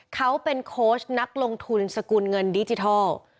เขาเป็นโค้ชนักลงทุนสกุลเงินดิจิทัล